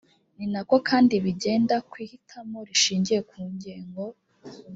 ni nako kandi bigenda ku ihitamo rishingiye ku ngengo